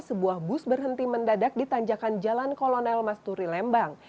sebuah bus berhenti mendadak di tanjakan jalan kolonel masturi lembang